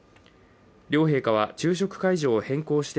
両陛下は昼食会場を変更して